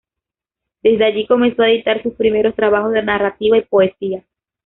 Desde allí comenzó a editar sus primeros trabajos de narrativa y poesía.